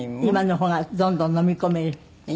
今の方がどんどん飲み込める？